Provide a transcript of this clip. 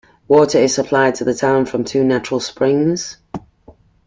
Water is supplied to the town from two natural springs.